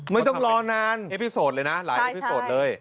ไม่ต้องรอนานเอพิโซดเลยนะหลายเอพิโซดเลย